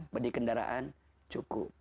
beli kendaraan cukup